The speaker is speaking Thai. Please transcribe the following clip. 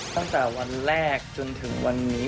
ตั้งแต่วันแรกจนถึงวันนี้